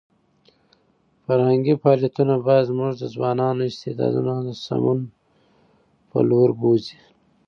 فرهنګي فعالیتونه باید زموږ د ځوانانو استعدادونه د سمون په لور بوځي.